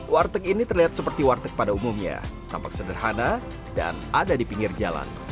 warteg ini terlihat seperti warteg pada umumnya tampak sederhana dan ada di pinggir jalan